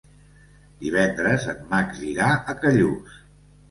Divendres en Max irà a Callús.